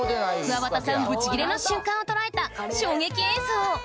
「くわばたさんブチギレの瞬間」を捉えた衝撃映像！